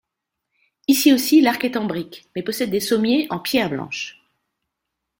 Ici aussi, l'arc est en briques mais possède des sommiers en pierre blanche.